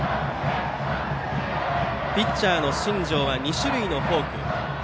ピッチャーの新庄は２種類のフォーク。